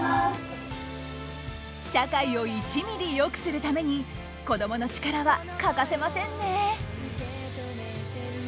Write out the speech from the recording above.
社会を１ミリよくするために子どもの力は欠かせませんね。